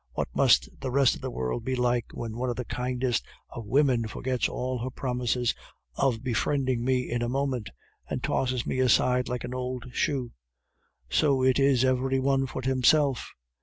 What must the rest of the world be like when one of the kindest of women forgets all her promises of befriending me in a moment, and tosses me aside like an old shoe? So it is every one for himself?